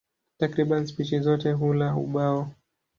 Takriban spishi zote hula ubao.